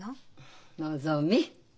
のぞみ。